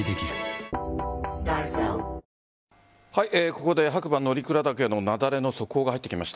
ここで白馬乗鞍岳の雪崩の速報が入ってきました。